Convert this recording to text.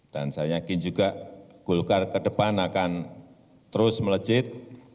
dan saya yakin juga golkar ke depan akan terus melecet